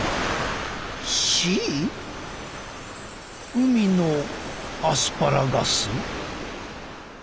海のアスパラガス？